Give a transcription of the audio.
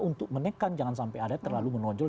untuk menekan jangan sampai ada terlalu menonjol